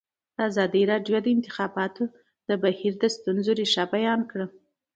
ازادي راډیو د د انتخاباتو بهیر د ستونزو رېښه بیان کړې.